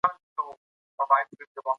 تالابونه د افغان ماشومانو د لوبو موضوع ده.